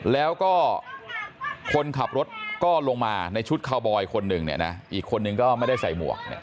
แล้วก็คนขับรถก็ลงมาในชุดคาวบอยคนหนึ่งเนี่ยนะอีกคนนึงก็ไม่ได้ใส่หมวก